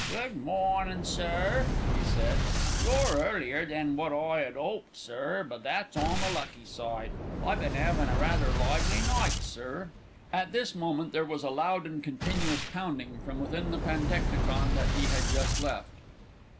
"Good mornin', sir," he said. "You're earlier than wot I 'ad 'oped, sir; but that's on the lucky side. I been 'avin' rather a lively night, sir." At this moment there was a loud and continuous pounding from within the pantechnicon that he had just left.